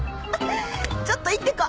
ちょっと行ってこ。